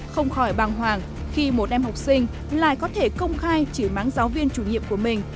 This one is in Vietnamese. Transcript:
không khỏi bàng hoàng khi một em học sinh lại có thể công khai chỉ máng giáo viên chủ nhiệm của mình